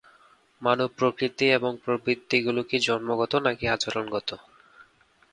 মানব প্রকৃতি এবং প্রবৃত্তিগুলো কি জন্মগত নাকি আচরণগত?